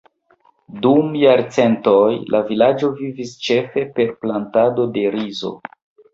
Dum jarcentoj, la vilaĝo vivis ĉefe per plantado de rizo.